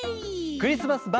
クリスマス婆